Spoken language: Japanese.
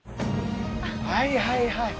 はいはいはい。